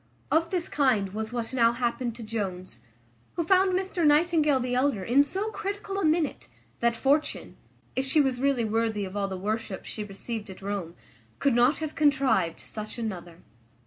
Of this kind was what now happened to Jones, who found Mr Nightingale the elder in so critical a minute, that Fortune, if she was really worthy all the worship she received at Rome, could not have contrived such another.